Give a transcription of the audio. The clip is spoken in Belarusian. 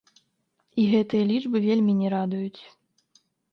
І гэтыя лічбы вельмі не радуюць.